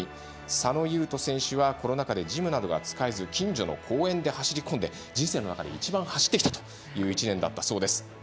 佐野優人選手はコロナ禍でジムなどが使えず近所の公園で走りこんで人生の中で一番走ってきたという１年だったそうです。